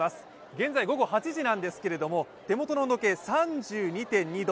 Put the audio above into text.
現在、午後８時なんですけれども手元の時計、３２．２度。